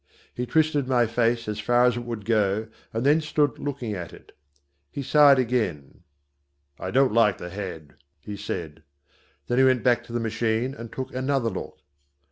He twisted my face as far as it would go and then stood looking at it. He sighed again. "I don't like the head," he said. Then he went back to the machine and took another look.